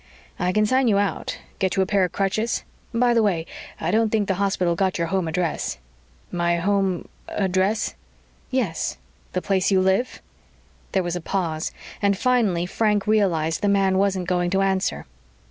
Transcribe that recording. "I can sign you out get you a pair of crutches. By the way, I don't think the hospital got your home address." "My home address?" "Yes. The place you live." There was a pause, and finally Frank realized the man wasn't going to answer.